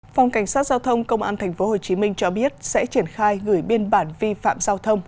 phòng cảnh sát giao thông công an tp hcm cho biết sẽ triển khai gửi biên bản vi phạm giao thông